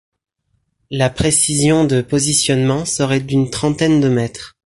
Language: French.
La précision de positionnement serait d'une trentaine de mètres.